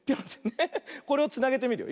これをつなげてみるよ。